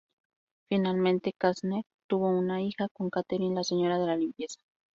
Finalmente Kästner tubo una hija con Catharine, la señora de la limpieza.